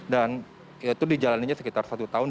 dan itu dijalaninya sekitar satu tahun